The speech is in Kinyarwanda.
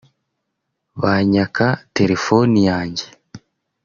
banyaka telefoni yanjye